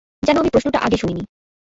যেন আমি প্রশ্নটা আগে শুনিনি।